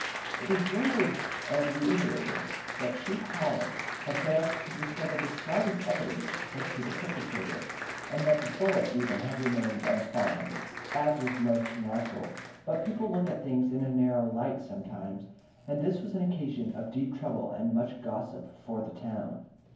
It was rumored and reiterated that Chief Hallen had failed to discover the slightest evidence as to the perpetrator, and that the bullet even had remained unfound, as was most natural; but people look at things in a narrow light sometimes, and this was an occasion of deep trouble and much gossip for the town.